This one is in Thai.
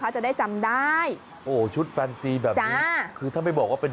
จะได้จำได้โอ้ชุดแฟนซีแบบนี้คือถ้าไม่บอกว่าเป็น